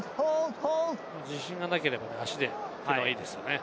自信がなければ足でというのはいいですよね。